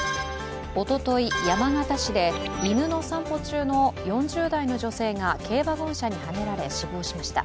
おととい、山形市で犬の散歩中の４０代の女性が軽ワゴン車にはねられ死亡しました。